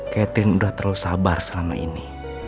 catherine udah terlalu sabar selama ini